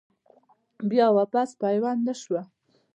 بيا واپس پيوند نۀ شوه ۔